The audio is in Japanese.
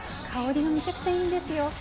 香りがめちゃくちゃいいんですよ。